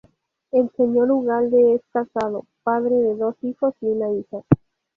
El señor Ugalde es casado, padre de dos hijos y una hija.